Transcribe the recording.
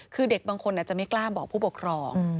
คือเด็กบางคนอาจจะไม่กล้าบอกผู้ปกครอง